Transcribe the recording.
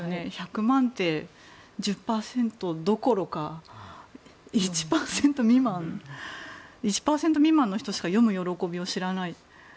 １００万って１０％どころか１％未満の人しか読む喜びを知らない。